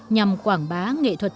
nhằm quảng bá nghệ thuật việt nam